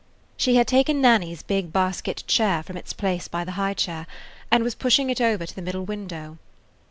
She had taken Nanny's big basket chair from its place by the high chair, and was pushing it over to the middle window.